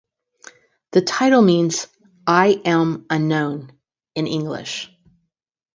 The title means "I Am Unknown" in English.